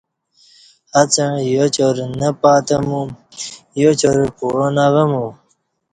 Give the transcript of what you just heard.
اڅݩع یاچارہ نہ پاتہ مو یاچارہ پعوان اوہ مو